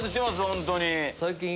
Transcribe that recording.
ホントに。